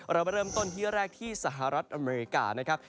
เรามาเริ่มต้นที่แรกที่สหรัฐอเมริกานะครับ